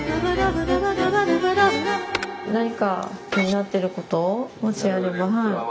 何か気になってることもしあれば。